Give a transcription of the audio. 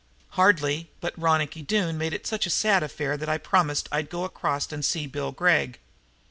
"Hardly! But Ronicky Doone made it such a sad affair that I promised I'd go across and see Bill Gregg."